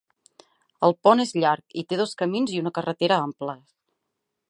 El pont és llarg, i té dos camins i una carretera amples.